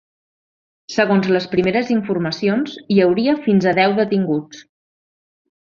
Segons les primeres informacions, hi hauria fins a deu detinguts.